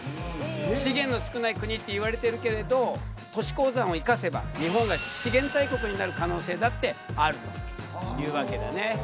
資源の少ない国っていわれてるけれど都市鉱山を生かせば日本が資源大国になる可能性だってあるというわけだね。